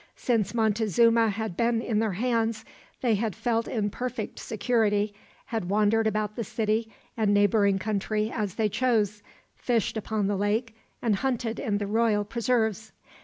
Since Montezuma had been in their hands, they had felt in perfect security, had wandered about the city and neighboring country as they chose, fished upon the lake, and hunted in the royal preserves.